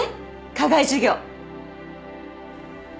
課外授業。